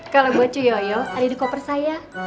kalau buat cuyoyo ada di koper saya